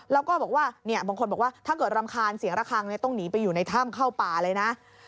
แล้วก็บอกว่าบางคนบอกว่าถ้าเกิดรำคาญเสียงระคังต้องหนีไปอยู่ในถ้ำเข้าป่าเลยนะ